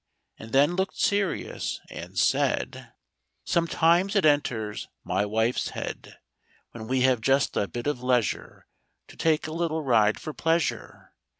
then looked serious and said :— 1897. Copyrighted, Xf^OMETIMES it enters my wife's head, When we have just a bit of leisure, To take a little ride for pleasure.